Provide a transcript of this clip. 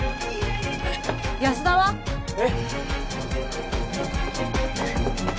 安田は？え？